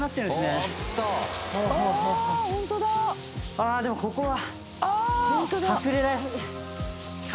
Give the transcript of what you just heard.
あでもここは。